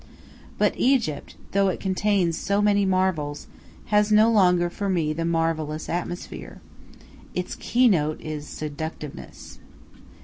But Egypt, though it contains so many marvels, has no longer for me the marvellous atmosphere. Its keynote is seductiveness.